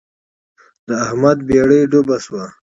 د احمد بېړۍ ډوبه شوه.